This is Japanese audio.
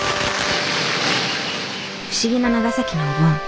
不思議な長崎のお盆。